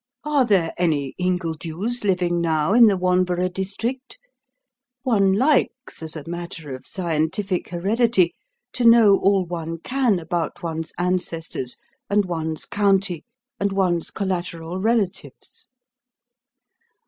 "Are there any Ingledews living now in the Wanborough district? One likes, as a matter of scientific heredity, to know all one can about one's ancestors, and one's county, and one's collateral relatives."